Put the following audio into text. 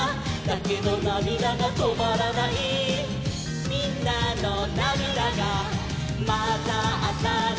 「だけどなみだがとまらない」「みんなのなみだがまざったら」